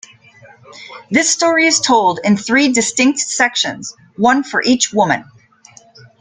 The story is told in three distinct sections, one for each woman.